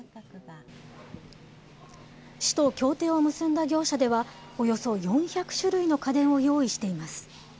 市と協定を結んだ業者では、およそ４００種類の家電を用意しています。